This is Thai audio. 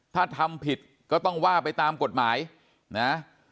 ถ้าทำผิดก็ต้องว่าไปตามกฎหมายนะ